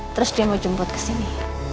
terus dia mau jemput ke sini